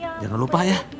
debbie jangan lupa ya